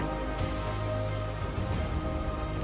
aku akan mencari kekuatanmu